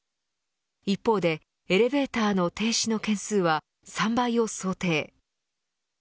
一方で、エレベーターの停止の件数は３倍を想定。